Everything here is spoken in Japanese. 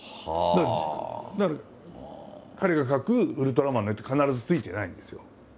だから彼が描くウルトラマンの絵って必ず付いてないんですよ。